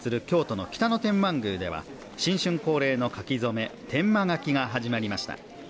京都の北野天満宮では新春恒例の書き初め天満書が始まりました。